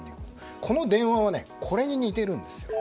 この電話は、これに似ています。